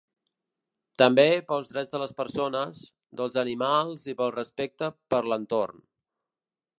També pels drets de les persones, dels animals i pel respecte per l’entorn.